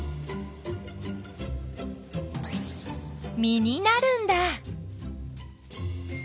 実になるんだ。